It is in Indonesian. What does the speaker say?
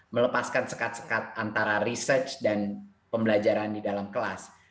melepaskan sekat sekat antara research dan pembelajaran di dalam kelas